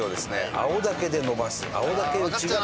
青竹で延ばす青竹打ちが特徴。